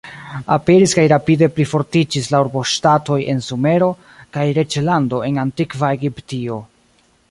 Aperis kaj rapide plifortiĝis la urboŝtatoj de Sumero kaj reĝlando en Antikva Egiptio.